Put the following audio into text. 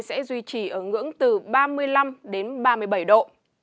sẽ duy trì ở ngưỡng từ ba mươi năm đến ba mươi bảy độ